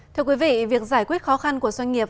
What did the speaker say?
thưa quý vị việc giải quyết khó khăn của doanh nghiệp